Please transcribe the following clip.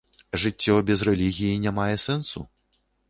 Жыццё без рэлігіі не мае сэнсу?